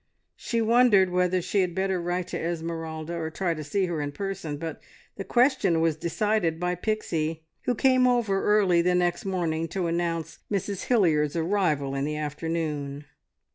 She wondered whether she had better write to Esmeralda, or try to see her in person, but the question was decided by Pixie, who came over early the next morning to announce Mrs Hilliard's arrival in the afternoon.